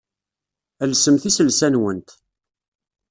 Alsemt iselsa-nwent.